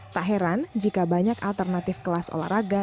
tak heran jika banyak alternatif kelas olahraga